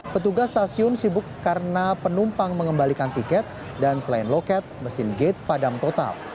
petugas stasiun sibuk karena penumpang mengembalikan tiket dan selain loket mesin gate padam total